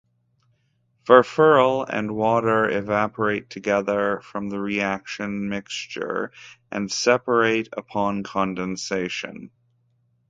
Furfural and water evaporate together from the reaction mixture, and separate upon condensation.